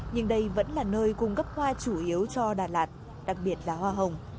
nhưng đây vẫn là nơi cung cấp hoa chủ yếu cho đà lạt đặc biệt là hoa hồng